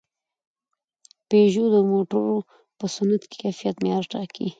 پيژو د موټرو په صنعت کې د کیفیت معیار ټاکي.